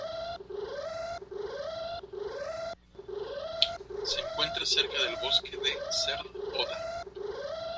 Se encuentra cerca del bosque de Crna Poda.